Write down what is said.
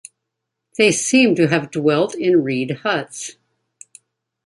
They seem to have dwelt in reed huts.